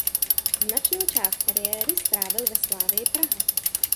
Značnou část kariéry strávil ve Slavii Praha.